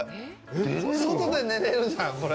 外で寝れるじゃん、これ。